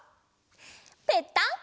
ぺったんこ！